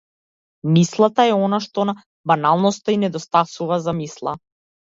Мислата е она што на баналноста и недостасува за мисла.